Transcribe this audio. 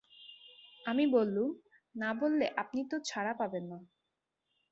আমি বললুম, না বললে আপনি তো ছাড়া পাবেন না।